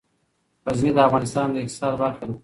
غزني د افغانستان د اقتصاد برخه ده.